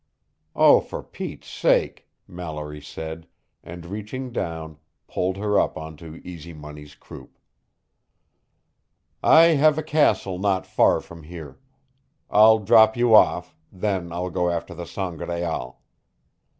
"Oh, for Pete's sake!" Mallory said, and reaching down, pulled her up onto Easy Money's croup. "I have a castle not far from here. I'll drop you off, then I'll go after the Sangraal."